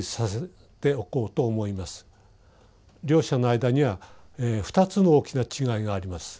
両者の間には二つの大きな違いがあります。